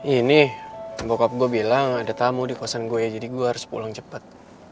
ini bokap gue bilang ada tamu di kawasan gue jadi gue harus pulang cepat